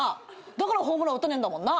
だからホームラン打たねえんだもんな。